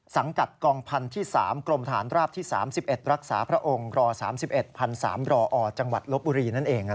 สังกัดกองพันธุ์ที่๓กรมฐานราบที่๓๑รักษาพระองค์ร๓๑พันธุ์๓รอจังหวัดลบบุรี